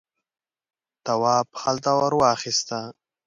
تواب خلته ور واخیسته.